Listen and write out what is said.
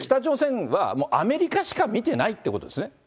北朝鮮はもうアメリカしか見てないってことですね。